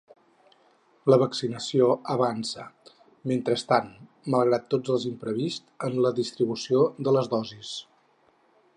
La vaccinació avança, mentrestant, malgrat tots els imprevists en la distribució de les dosis.